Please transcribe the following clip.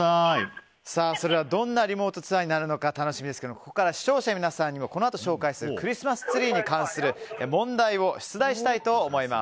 どんなリモートツアーになるのか楽しみですがここからは視聴者の皆さんにもこのあと紹介するクリスマスツリーに関する問題を出題したいと思います。